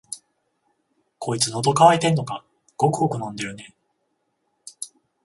こいつ、のど渇いてんのか、ごくごく飲んでるね。